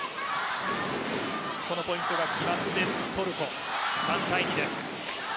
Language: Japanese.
このポイントが決まってトルコ３−２です。